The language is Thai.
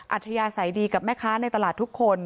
อัธยาศัยดีกับแม่ค้าในตลาดทุกคน